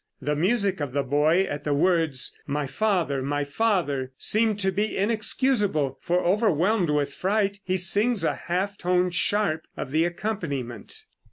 The music of the boy at the words "My father, my father" seemed to be inexcusable, for overwhelmed with fright, he sings a half a tone sharp of the accompaniment.